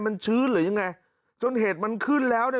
มันชื้นหรือยังไงจนเหตุมันขึ้นแล้วเนี่ย